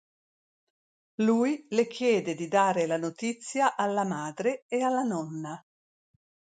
Lui le chiede di dare la notizia alla madre e alla nonna.